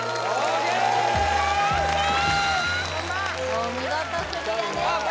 お見事クリアですさあ